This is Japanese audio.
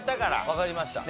わかりました。